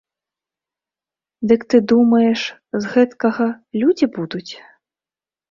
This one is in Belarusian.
Дык ты думаеш, з гэткага людзі будуць?